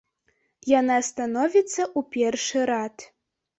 Яна становіцца ў першы рад.